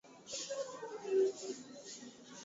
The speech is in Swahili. Baada ya kuchukua mpira mwenyewe na kuanza mbio kwa